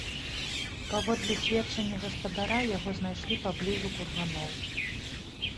Паводле сведчання гаспадара, яго знайшлі паблізу курганоў.